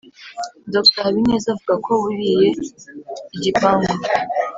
dr habineza avuga ko buriye igipangu,